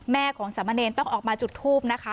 แม่ของสามะเนนต้องออกมาจุดทูปนะคะ